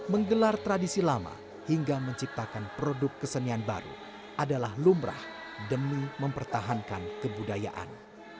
menggelar tradisi lama hingga menciptakan produk kesenian baru adalah lumrah demi mempertahankan kebudayaan